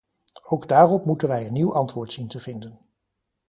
Ook daarop moeten wij een nieuw antwoord zien te vinden.